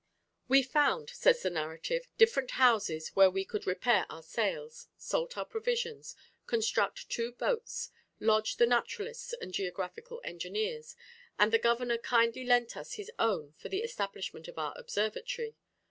"We found," says the narrative, "different houses where we could repair our sails, salt our provisions, construct two boats, lodge the naturalists and geographical engineers, and the governor kindly lent us his own for the establishment of our observatory.